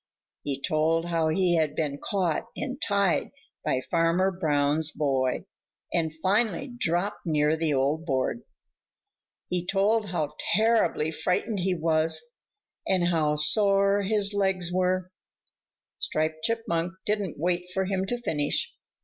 He told how he had been caught and tied by Farmer Brown's boy and finally dropped near the old board. He told how terribly frightened he was, and how sore his legs were. Striped Chipmunk didn't wait for him to finish.